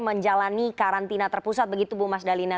menjalani karantina terpusat begitu bu mas dalina